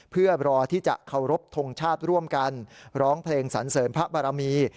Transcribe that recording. เพื่อรอที่จะเคารพทงชาติร่วมกันร้องเพลงสันเสริญพระบารมี